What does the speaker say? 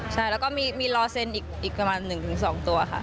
และก็มีรอเซนต์อีกประมาณ๑๒ตัวค่ะ